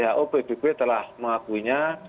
alhamdulillah kemudian who bbb telah mengakuinya